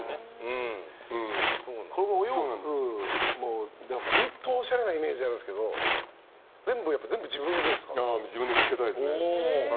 お洋服も、ずっとおしゃれなイメージがあるんですけど自分で見つけたやつ。